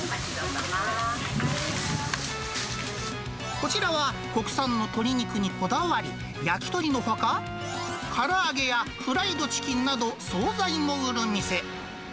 こちらは国産の鶏肉にこだわり、焼き鳥のほか、から揚げやフライドチキンなど、総菜も売る店。